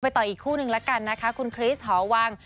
ต่ออีกคู่นึงละกันนะคะคุณคริสหอวัง